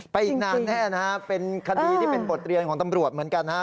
อีกนานแน่นะครับเป็นคดีที่เป็นบทเรียนของตำรวจเหมือนกันนะครับ